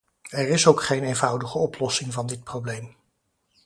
Er is ook geen eenvoudige oplossing van dit probleem.